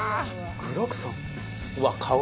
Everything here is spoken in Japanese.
具だくさん！